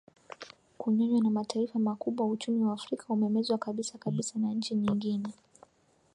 kunyonywa na mataifa makubwa Uchumi wa Afrika umemezwa kabisa kabisa na nchi nyingine